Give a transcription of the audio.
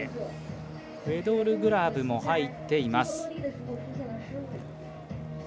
ウェドルグラブも入っています。